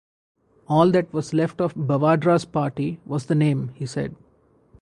All that was left of Bavadra's party was the name, he said.